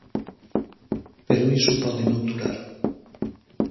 Pero iso pode non durar.